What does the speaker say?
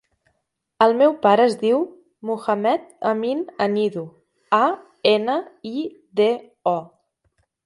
El meu pare es diu Mohamed amin Anido: a, ena, i, de, o.